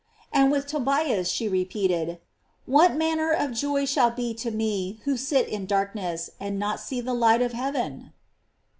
"f And with Tobias she repeated: "What manner of joy shall be to me who sit in darkness, and see not the light of heaven?"